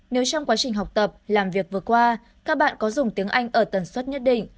nếu trong quá trình học tập làm việc vừa qua các bạn có dùng tiếng anh ở tần suất nhất định